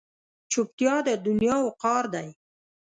چوپتیا، د دنیا وقار دی.